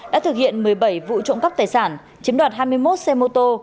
đã thực hiện một mươi bảy vụ trộm cắp tài sản chiếm đoạt hai mươi một xe mô tô